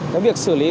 cái việc xử lý